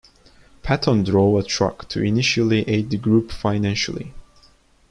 Paton drove a truck to initially aid the group financially.